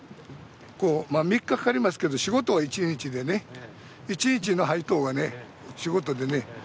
こうまあ３日かかりますけど仕事は１日でね１日の配当がね仕事でね